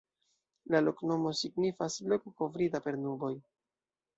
La loknomo signifas: "Loko kovrita per nuboj".